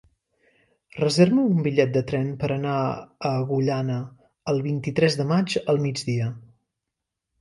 Reserva'm un bitllet de tren per anar a Agullana el vint-i-tres de maig al migdia.